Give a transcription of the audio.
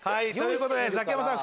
ザキヤマさん